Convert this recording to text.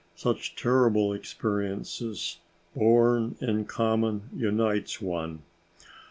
Such terrible experiences, born in common, unites one.